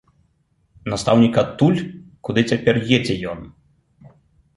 Настаўнік адтуль, куды цяпер едзе ён!